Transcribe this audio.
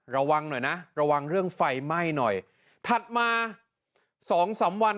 ระวังหน่อยนะระวังเรื่องไฟไหม้หน่อยถัดมาสองสามวัน